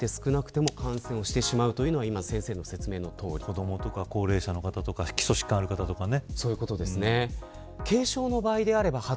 子どもや高齢者の方とか基礎疾患ある方とかね。